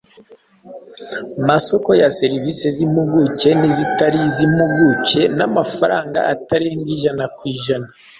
masoko ya servisi z’impuguke n’izitari iz’impuguke n’amafaranga atarenga ijana kujana